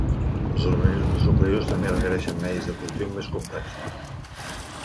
Els organismes superiors també requereixen medis de cultiu més complexos.